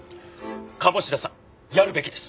鴨志田さんやるべきです。